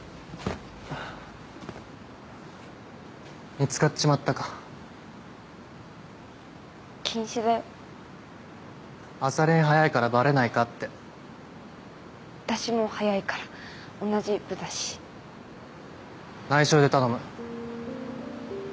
見つかっちまったか禁止だよ朝練早いからバレないかって私も早いから同じ部だしないしょで頼む